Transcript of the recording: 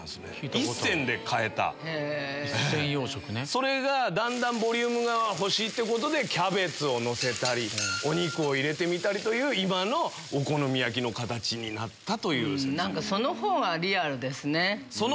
それがだんだんボリュームが欲しいってことでキャベツをのせたりお肉を入れてみたりという今のお好み焼きの形になったという。